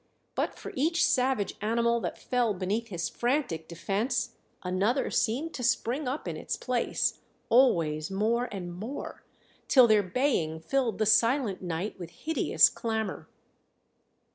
But for each savage animal that fell beneath his frantic defence another seemed to spring up in its place always more and more, till their baying filled the silent night with hideous clamour.